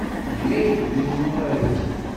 Nemlal-d yiwen umaru.